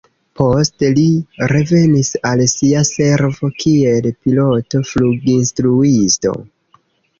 Poste li revenis al sia servo kiel piloto-fluginstruisto.